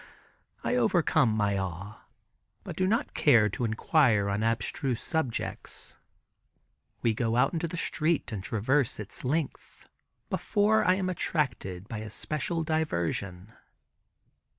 I overcome my awe, but do not care to inquire on abstruse subjects. We go out into the street, and traverse its length before I am attracted by a special diversion.